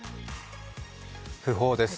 訃報です